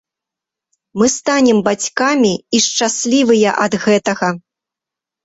Мы станем бацькамі і шчаслівыя ад гэтага.